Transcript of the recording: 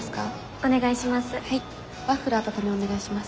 お願いします。